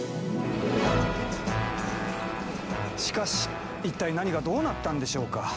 しかし一体何がどうなったんでしょうか？